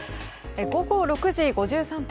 午後６時５３分。